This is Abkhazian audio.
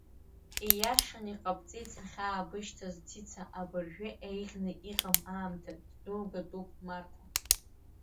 Ииашан иҟабҵеит сахьаабышьҭыз, Цица, абыржәы еиӷьны иҟам аамҭа, ддәылгатәуп Марҭа.